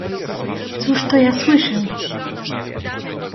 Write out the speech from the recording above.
"cóż to ja słyszę?"